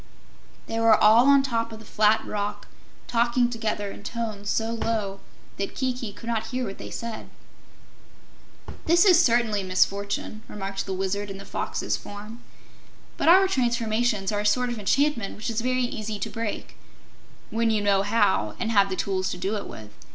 They were all on top of the flat rock, talking together in tones so low that Kiki could not hear what they said. "This is certainly a misfortune," remarked the Wizard in the Fox's form, "but our transformations are a sort of enchantment which is very easy to break when you know how and have the tools to do it with.